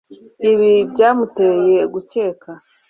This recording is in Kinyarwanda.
Ibi byamuteye gukeka